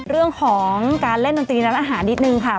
เรื่องของการเล่นดนตรีร้านอาหารนิดนึงค่ะ